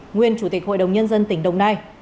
nguyên chủ tịch hội đồng nhân dân tỉnh đồng nai